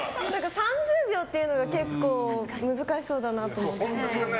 ３０秒っていうのが結構難しそうだなと。